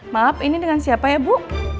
maaf ini dengan siapa ya bu